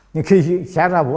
nhưng khi xả ra vụ án